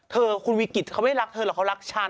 เธอคุณวิกฤตเขาไม่รักเธอหรอกเขารักฉัน